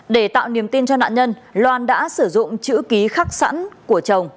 để tạo niềm tin cho nạn nhân loan đã sử dụng chữ ký khắc sẵn của chồng